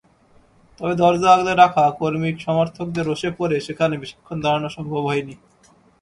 তবে দরজা আগলে রাখা কর্মী-সমর্থকদের রোষে পড়ে সেখানে বেশিক্ষণ দাঁড়ানো সম্ভব হয়নি।